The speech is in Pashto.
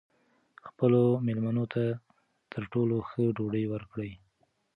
خپلو مېلمنو ته تر ټولو ښه ډوډۍ ورکړئ.